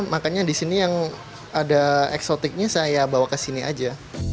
makanya di sini yang ada eksotiknya saya bawa ke sini aja